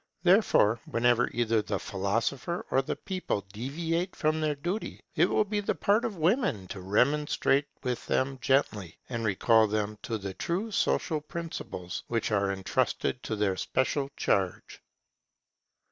Therefore whenever either the philosopher or the people deviate from duty, it will be the part of women to remonstrate with them gently, and recall them to the true social principles which are entrusted to their special charge.